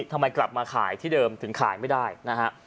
ทำไมกลับมาขายที่เดิมถึงขายไม่ได้นะฮะ